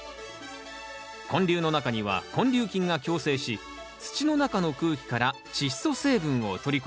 根粒の中には根粒菌が共生し土の中の空気からチッ素成分を取り込み